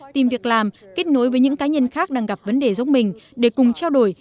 tìm việc làm kết nối với những cá nhân khác đang gặp vấn đề dốc mình để cùng trao đổi